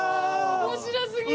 面白すぎる。